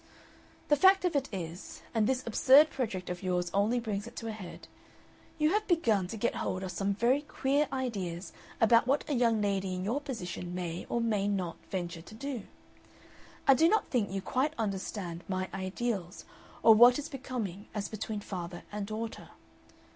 "The fact of it is, and this absurd project of yours only brings it to a head, you have begun to get hold of some very queer ideas about what a young lady in your position may or may not venture to do. I do not think you quite understand my ideals or what is becoming as between father and daughter.